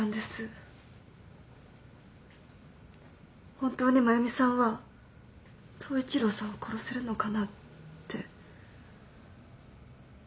本当に繭美さんは統一郎さんを殺せるのかなって。